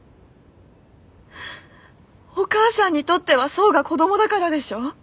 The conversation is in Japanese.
お母さんにとっては想が子供だからでしょ？